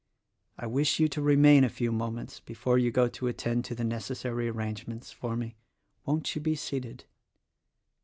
I wish you to remain a few moments before you go to attend to the necessary arrangements for me. Won't you be seated?"